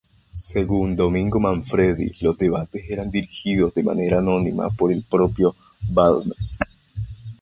Según Domingo Manfredi, los debates eran dirigidos de manera anónima por el propio Balmes.